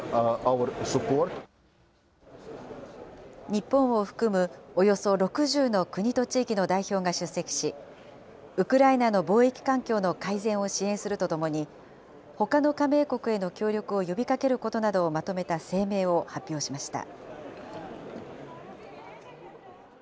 日本を含むおよそ６０の国と地域の代表が出席し、ウクライナの貿易環境の改善を支援するとともに、ほかの加盟国への協力を呼びかけることなどをまとめた声明を発表しました。